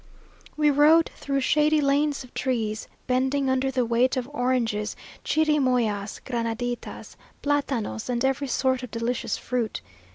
We rode through shady lanes of trees, bending under the weight of oranges, chirimoyas, granaditas, platanos, and every sort of delicious fruit.